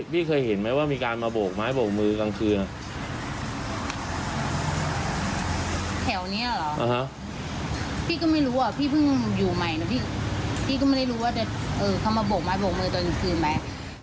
พี่ก็ไม่ได้รู้ว่าเขามาโบกไม้โบกมือตอนกลางคืนมั้ย